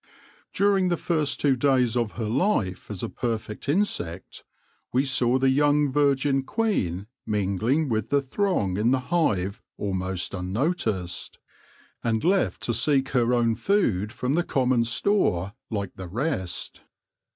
During the first two days of her life as a perfect insect, we saw the young virgin queen mingling with THE BRIDE WIDOW 85 the throng in the hive almost unnoticed, and left to seek her own food from the common store like the rest.